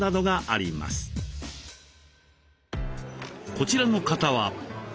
こちらの方は。